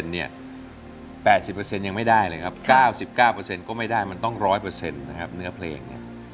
๘๐ยังไม่ได้เลยครับ๙๙ก็ไม่ได้มันต้อง๑๐๐นะครับเนื้อเพลงเนี่ย